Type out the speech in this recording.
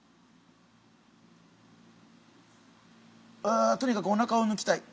うとにかくおなかをぬきたい！